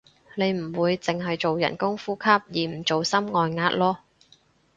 你唔會淨係做人工呼吸而唔做心外壓囉